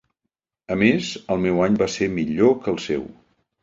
A més, el meu any va ser millor que el seu.